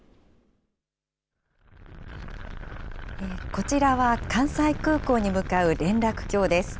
こちらは、関西空港に向かう連絡橋です。